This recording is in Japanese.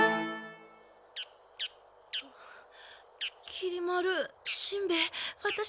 きり丸しんべヱワタシ。